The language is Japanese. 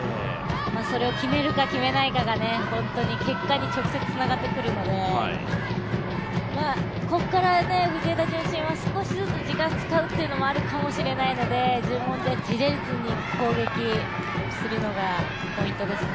それを決めるか決めないかが結果に直接つながってくるのでここから藤枝順心は少しずつ時間を使うというのがあるかもしれないので十文字はじれずに攻撃するのがポイントですね。